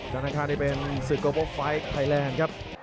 วันอังคารที่เป็นสุโกโบไฟต์ไทยแลนด์ครับ